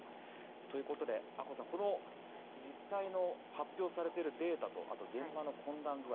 ということで阿古さん実際の発表されているデータとあと現場の混乱具合